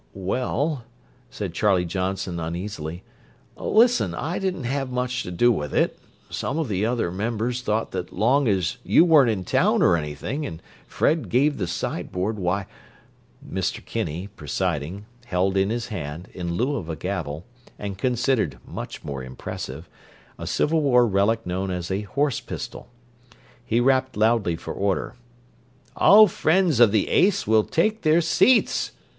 "Well—" said Charlie Johnson uneasily. "Listen! I didn't have much to do with it. Some of the other members thought that long as you weren't in town or anything, and Fred gave the sideboard, why—" Mr. Kinney, presiding, held in his hand, in lieu of a gavel, and considered much more impressive, a Civil War relic known as a "horse pistol." He rapped loudly for order. "All Friends of the Ace will take their seats!"